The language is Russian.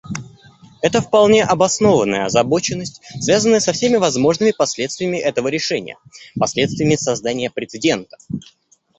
Это вполне обоснованная озабоченность, связанная со всеми возможными последствиями этого решения, последствиями создания прецедента.